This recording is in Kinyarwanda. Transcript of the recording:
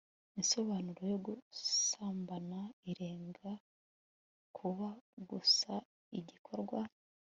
insobanuro yo gusambana irenga kuba gusa igikorwa